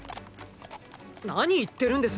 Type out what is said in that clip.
何言ってるんです。